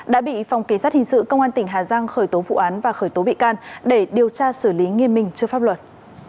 đã bị phòng kỳ sát hình sự công an tỉnh hà giang khởi tố vụ án và khởi tố bị can để điều tra xử lý nghiêm minh trước pháp luật